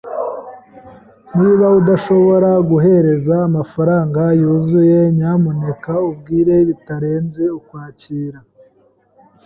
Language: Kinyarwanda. Niba udashobora kohereza amafaranga yuzuye, nyamuneka umbwire bitarenze Ukwakira .